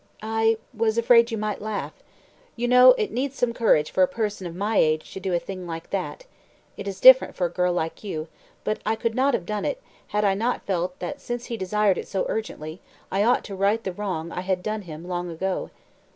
I was afraid you might laugh. You know, it needs some courage for a person of my age to do a thing like that. It is different for a girl like you, but I could not have done it, had I not felt that since he desired it so urgently, I ought to right the wrong I had done him long ago."